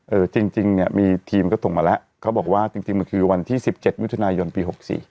จริงเนี่ยมีทีมก็ส่งมาแล้วเขาบอกว่าจริงมันคือวันที่๑๗มิถุนายนปี๖๔